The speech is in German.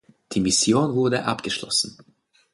Die Mission wurde abgeschlossen.